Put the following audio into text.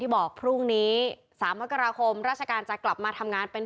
บอกพรุ่งนี้๓มกราคมราชการจะกลับมาทำงานเป็น